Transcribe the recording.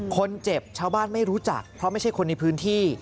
ชาวบ้านไม่รู้จักเพราะไม่ใช่คนในพื้นที่